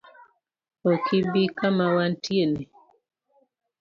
Ok ibi kama wantieni?